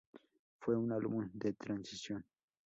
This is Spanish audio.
Fue un álbum de transición.